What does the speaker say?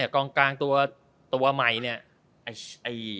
กองกลางตัวใหม่เนี่ย